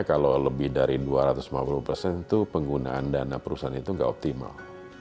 dua ratus lima puluh persen itu penggunaan dana perusahaan itu nggak optimal